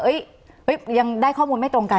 ยังได้ข้อมูลไม่ตรงกัน